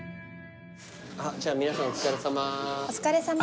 あっじゃあ皆さんお疲れさま。